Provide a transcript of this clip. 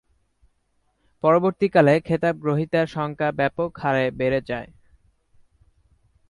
পরবর্তীকালে খেতাব গ্রহীতার সংখ্যা ব্যাপক হারে বেড়ে যায়।